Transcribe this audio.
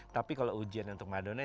tapi kalau ujian untuk madonna